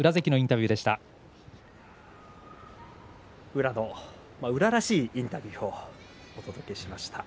宇良らしいインタビューをお届けしました。